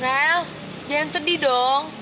rel jangan sedih dong